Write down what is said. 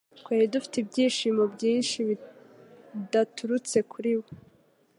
Twari dufite ibyifuzo byinshi bidaturutse kuri bo.